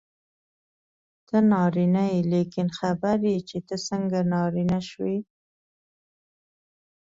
ته نارینه یې لیکن خبر یې چې ته څنګه نارینه شوې.